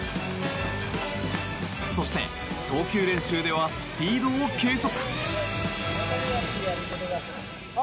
そして、送球練習ではスピードを計測。